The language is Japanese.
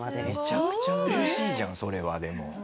めちゃくちゃ嬉しいじゃんそれはでも。